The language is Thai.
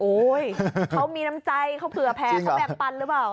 เขามีน้ำใจเขาเผื่อแผ่เขาแบ่งปันหรือเปล่า